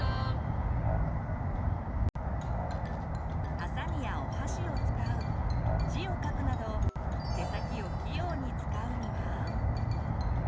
はさみやお箸を使う字を書くなど手先を器用に使うには？